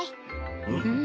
うん。